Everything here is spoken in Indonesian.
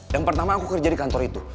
yang pertama aku kerja di kantor itu